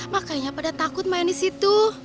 makanya pada takut main di situ